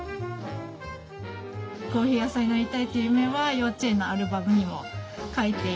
コーヒー屋さんになりたいという夢は幼稚園のアルバムにも書いて。